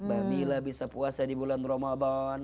bami lah bisa puasa di bulan ramadhan